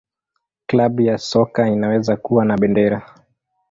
Klabu ya soka inaweza kuwa na bendera.